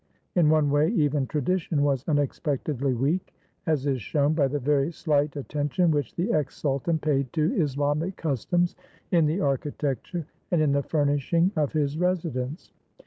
In one way even tradition was unexpectedly weak, as is shown by the very slight at tention which the ex sultan paid to Islamic customs in the architecture and in the furnishing of his residence.